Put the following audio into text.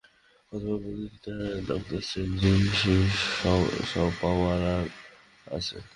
অথবা, প্রতিটা ডক্টর স্ট্রেঞ্জেরই সেই সপাওয়ার আছে।